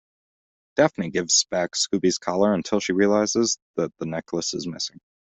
Daphne gives back Scooby's collar until she realizes that the necklace is missing.